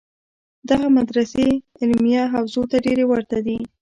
دغه مدرسې علمیه حوزو ته ډېرې ورته دي.